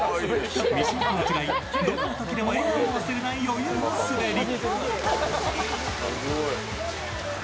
三島とは違い、どんなときでも笑顔を忘れない余裕の滑り。